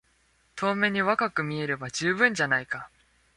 遠目に若く見えれば充分じゃないか。